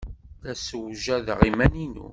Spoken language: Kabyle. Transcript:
La ssewjadeɣ iman-inu.